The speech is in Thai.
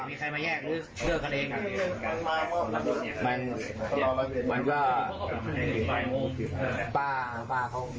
กับเจ้าตัวอย่างคือคนห้าม